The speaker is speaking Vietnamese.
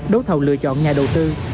đối thầu lựa chọn nhà đầu tư